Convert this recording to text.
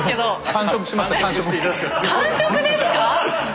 完食ですか⁉えっ？